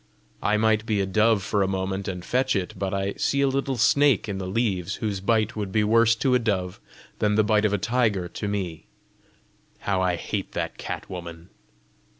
I might be a dove for a moment and fetch it, but I see a little snake in the leaves whose bite would be worse to a dove than the bite of a tiger to me! How I hate that cat woman!"